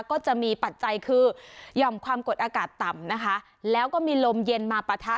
ก็จะมีปัจจัยคือหย่อมความกดอากาศต่ำนะคะแล้วก็มีลมเย็นมาปะทะ